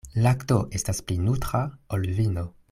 Lakto estas pli nutra, ol vino.